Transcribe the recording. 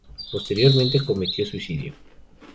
Posteriormente cometió suicidio.